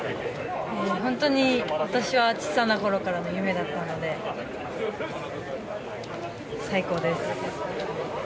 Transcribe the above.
本当に、私は小さなころからの夢だったので最高です。